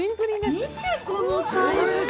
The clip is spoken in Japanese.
見て、このサイズ感！